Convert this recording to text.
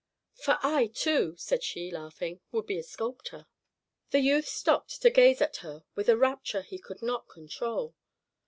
"For I, too," said she, laughing, "would be a sculptor." The youth stopped to gaze at her with a rapture he could not control.